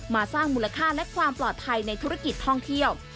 สร้างมูลค่าและความปลอดภัยในธุรกิจท่องเที่ยว